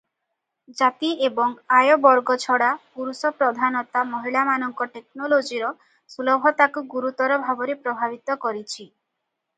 ଜାତି ଏବଂ ଆୟ ବର୍ଗ ଛଡ଼ା ପୁରୁଷପ୍ରଧାନତା ମହିଳାମାନଙ୍କ ଟେକ୍ନୋଲୋଜିର ସୁଲଭତାକୁ ଗୁରୁତର ଭାବରେ ପ୍ରଭାବିତ କରିଛି ।